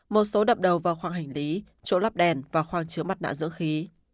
một số đập đầu vào khoang hành lý chỗ lắp đèn và khoang chứa mặt nạ dưỡng khí